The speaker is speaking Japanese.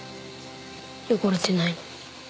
汚れてないのに。